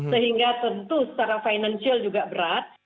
sehingga tentu secara financial juga berat